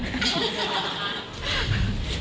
พี่พลอยแล้ว